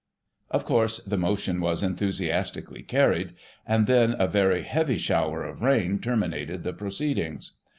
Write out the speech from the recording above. Of course the Motion was enthusiastically carried, and then a very heavy shower of rain terminated the proceedings.